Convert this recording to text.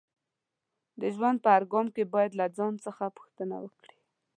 د ژوند په هر ګام کې باید له ځان څخه پوښتنه وکړئ